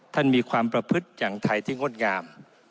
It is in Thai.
มีความประพฤติอย่างไทยที่งดงาม